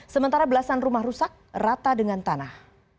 sementara belasan rumah rusak rata dengan tanah